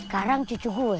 sekarang cucu gue